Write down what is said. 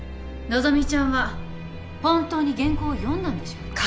希ちゃんは本当に原稿を読んだんでしょうか？